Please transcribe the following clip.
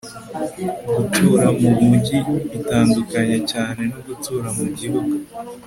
gutura mumujyi bitandukanye cyane no gutura mugihugu